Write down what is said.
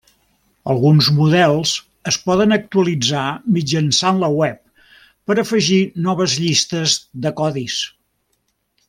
Alguns models es poden actualitzar mitjançant la web per afegir noves llistes de codis.